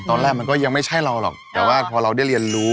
ตอนแรกมันก็ยังไม่ใช่เราหรอกแต่ว่าพอเราได้เรียนรู้